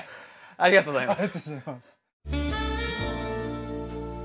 ありがとうございます。